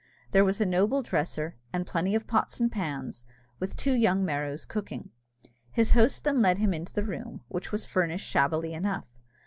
There was a noble dresser, and plenty of pots and pans, with two young Merrows cooking. His host then led him into the room, which was furnished shabbily enough.